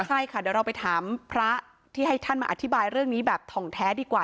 ใช่ค่ะเดี๋ยวเราไปถามพระที่ให้ท่านมาอธิบายเรื่องนี้แบบถ่องแท้ดีกว่า